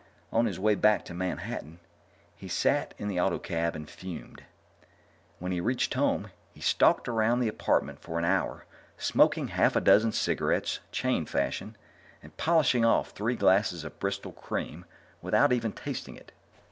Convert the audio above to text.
On his way back to Manhattan, he sat in the autocab and fumed. When he reached home, he stalked around the apartment for an hour, smoking half a dozen cigarettes, chain fashion, and polishing off three glasses of Bristol Cream without even tasting it.